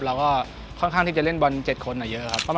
เราก็ค่อนข้างที่จะเล่นบอล๗คนเยอะครับ